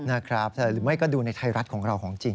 นะครับหรือไม่ก็ดูในไทยรัฐของเราของจริง